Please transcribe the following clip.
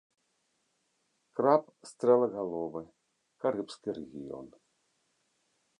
Краб стрэлагаловы, карыбскі рэгіён.